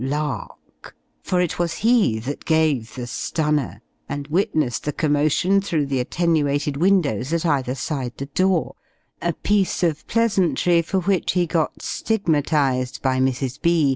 Lark for it was he that gave the "stunner," and witnessed the commotion through the attenuated windows at either side the door, a piece of pleasantry for which he got stigmatised by Mrs. B.